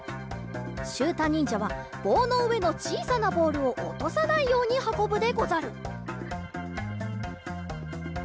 しゅうたにんじゃはぼうのうえのちいさなボールをおとさないようにはこぶでござる。